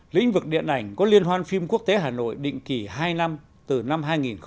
lĩnh vực điện ảnh có liên hoan phim quốc tế hà nội định kỳ hai năm từ năm hai nghìn một mươi một